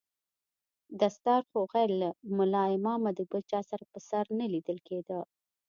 دستار خو غير له ملا امامه د بل چا پر سر نه ليدل کېده.